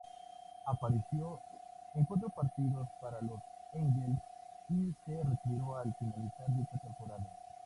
Apareció en cuatro partidos para los Eagles y se retiró al finalizar dicha temporada.